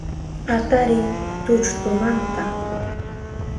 Atariy tulltumanta